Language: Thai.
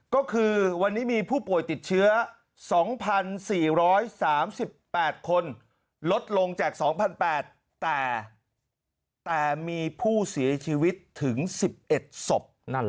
ก็คือวันนี้มีผู้ป่วยติดเชื้อ๒๔๓๘คนลดลงจาก๒๘๐๐แต่มีผู้เสียชีวิตถึง๑๑ศพ